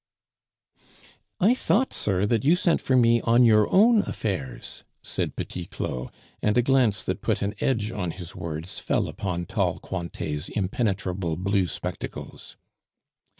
"I thought, sir, that you sent for me on your own affairs," said Petit Claud, and a glance that put an edge on his words fell upon tall Cointet's impenetrable blue spectacles.